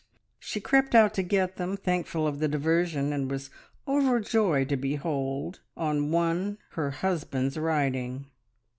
She crept out to get them, thankful of the diversion, and was overjoyed to behold on one her husband's writing.